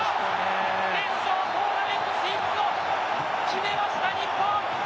決勝トーナメント進出を決めました、日本。